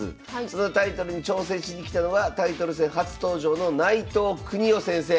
そのタイトルに挑戦しに来たのがタイトル戦初登場の内藤國雄先生。